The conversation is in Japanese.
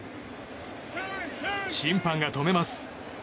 審判が止めます。